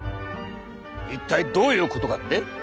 一体どういうことかって？